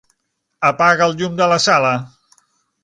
Apaga el llum de la sala.